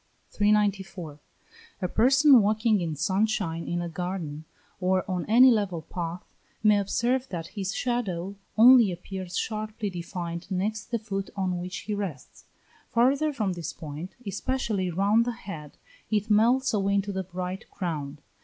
394. A person walking in sun shine in a garden, or on any level path, may observe that his shadow only appears sharply defined next the foot on which he rests; farther from this point, especially round the head, it melts away into the bright ground.